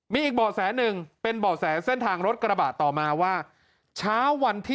มีอีกบ่อแสนึงเป็นบ่อแสนเส้นทางรถกระบะต่อมาว่า